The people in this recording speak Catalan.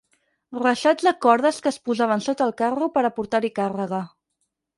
Reixats de cordes que es posaven sota el carro per a portar-hi càrrega.